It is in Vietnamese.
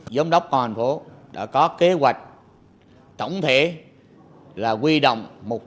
giám đốc công an thành phố đã có kế hoạch tổng thể là quy động một trăm linh